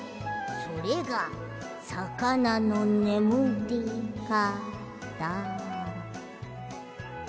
それがさかなのねむりかた。